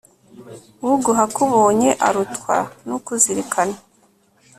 uguha akubonye arutwa n'ukuzirikana